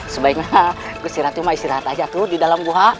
sebaiknya gusti ratu mau istirahat saja di dalam buah